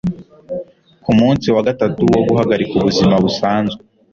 Ku munsi wa gatatu wo guhagarika ubuzima busanzwe,